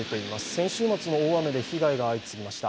先週末の大雨で被害が出ていました。